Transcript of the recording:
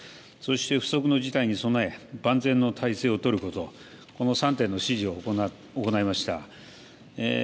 そして不測の事態に備え万全の態勢を取ること、この３点の指示を行いました。